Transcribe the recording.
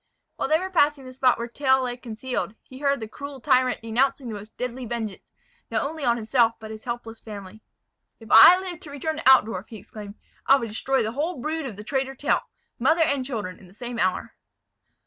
While they were passing the spot where Tell lay concealed, he heard the cruel tyrant denouncing the most deadly vengeance, not only on himself, but his helpless family: "If I live to return to Altdorf," he exclaimed, "I will destroy the whole brood of the traitor Tell, mother and children, in the same hour."